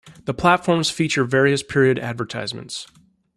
The platforms feature various period advertisements.